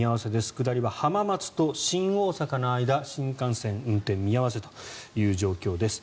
下りは浜松と新大阪の間新幹線、運転見合わせという状況です。